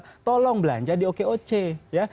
jadi tolong belanja di oke oke ya